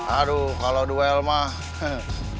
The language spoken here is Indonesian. aduh kalau duel mah